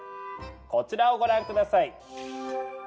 こちらをご覧ください！